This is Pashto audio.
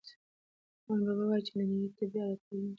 رحمان بابا وايي چې دې نړۍ ته بیا راتلل نشته.